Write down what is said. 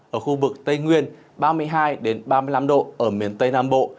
ở khu vực tây nguyên ba mươi hai ba mươi năm độ ở miền tây nam bộ